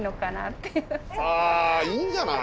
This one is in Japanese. あいいんじゃない？